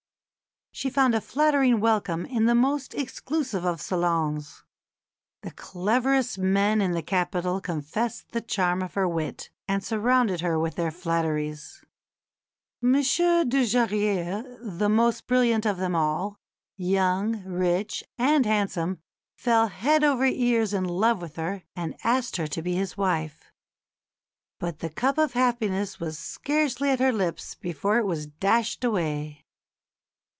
She found a flattering welcome in the most exclusive of salons; the cleverest men in the capital confessed the charm of her wit and surrounded her with their flatteries. M. Dujarrier, the most brilliant of them all, young, rich, and handsome, fell head over ears in love with her and asked her to be his wife. But the cup of happiness was scarcely at her lips before it was dashed away.